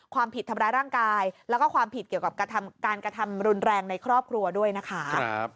ความผิดทำร้ายร่างกายแล้วก็ความผิดเกี่ยวกับการกระทำรุนแรงในครอบครัวด้วยนะคะ